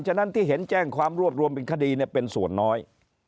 ฉะนั้นที่เห็นแจ้งความรวบรวมเป็นคดีเป็นส่วนน้อย